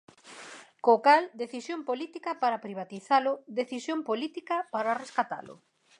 Co cal, decisión política para privatizalo, decisión política para rescatalo.